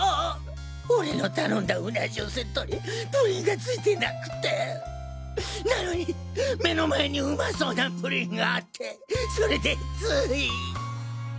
俺の頼んだうな重セットにプリンが付いてなくてなのに目の前にうまそうなプリンがあってそれでつい。